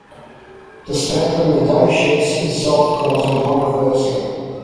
Dismantling the "ghost ships" itself causing controversy.